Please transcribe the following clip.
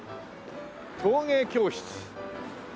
「陶芸教室」